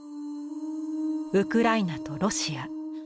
ウクライナとロシア。